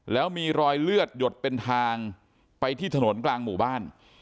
แล้วมีรอยเลือดหยดเป็นทางไปที่ถนนกลางหมู่บ้าน